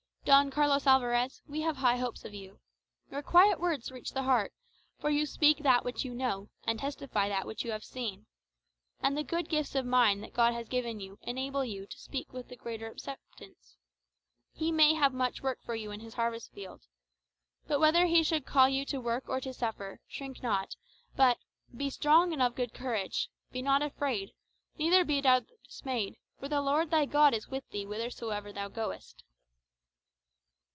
Don Carlos Alvarez, we have high hopes of you. Your quiet words reach the heart; for you speak that which you know, and testify that which you have seen. And the good gifts of mind that God has given you enable you to speak with the greater acceptance. He may have much work for you in his harvest field. But whether he should call you to work or to suffer, shrink not, but 'be strong and of good courage; be not afraid, neither be thou dismayed; for the Lord thy God is with thee whithersoever thou goest.